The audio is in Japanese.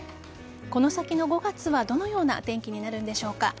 この先の５月はどのような天気になるんでしょうか。